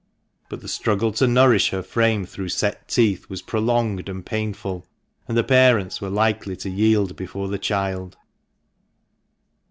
But the struggle to nourish her frame through set teeth was prolonged and painful, and the parents were likely to yield before the child.